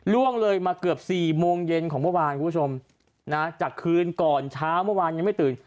ล่วงเลยมาเกือบสี่โมงเย็นของเมื่อวานคุณผู้ชมนะจากคืนก่อนเช้าเมื่อวานยังไม่ตื่น